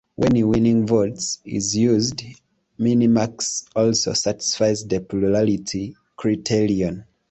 When "winning votes" is used, Minimax also satisfies the Plurality criterion.